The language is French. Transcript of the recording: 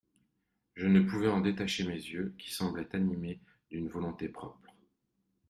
Je ne pouvais en détacher mes yeux, qui semblaient animés d'une volonté propre.